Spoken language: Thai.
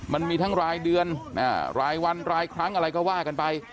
มันมีทั้งรายเดือนรายวันรายครั้งอะไรก็ว่ากันไป